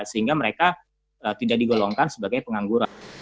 sehingga mereka tidak digolongkan sebagai pengangguran